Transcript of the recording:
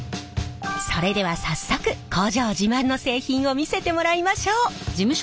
それでは早速工場自慢の製品を見せてもらいましょう！